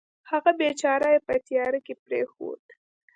هغه بېچاره یې په تیارې کې پرېښود.